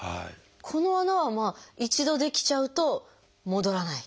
この穴は一度出来ちゃうと戻らない？